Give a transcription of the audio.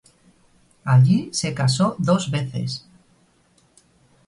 Allí se casó dos veces.